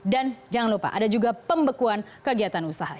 dan jangan lupa ada juga pembekuan kegiatan usaha